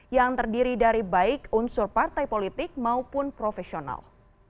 yang terdiri dari baik unsur partai politik maupun profesional